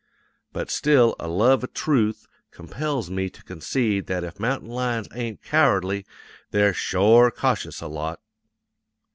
But still a love of trooth compels me to concede that if mountain lions ain't cowardly, they're shore cautious a lot.